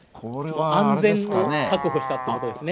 安全を確保したということですね。